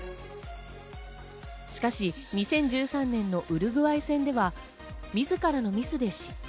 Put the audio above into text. しかし、２０１３年のウルグアイ戦では自らのミスで失点。